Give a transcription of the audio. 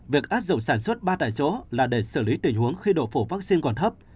việc áp dụng sản xuất ba tại chỗ là để xử lý tình huống khi độ phổ vaccine còn thấp